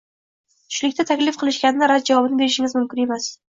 Tushlikka taklif qilishganda rad javobini berishingiz mumkin emas.